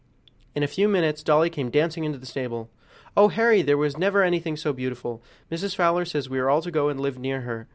In a few minutes Dolly came dancing into the stable. "Oh! Harry, there never was anything so beautiful; Mrs. Fowler says we are all to go and live near her.